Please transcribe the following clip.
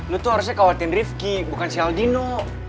lo tuh harusnya khawatirin rifki bukan si aldino